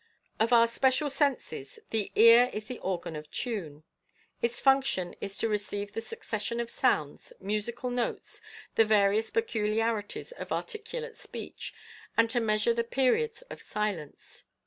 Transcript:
Of our special senses, the ear is the organ of tune. Its function is to receive the succession of sounds, musical notes, the various, peculiarities of articulate speech, and to measure the periods of silence.